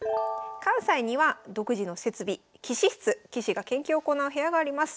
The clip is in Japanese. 関西には独自の設備棋士室棋士が研究を行う部屋があります。